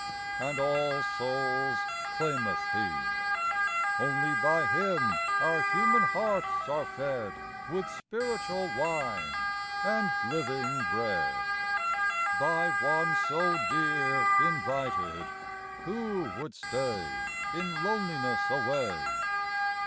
And all souls claimeth He; Only by Him our human hearts are fed With spiritual wine and living bread. By One so dear Invited, who would stay In loneliness away